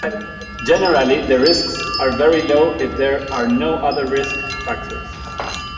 Generally the risks are very low if there are no other risk factors.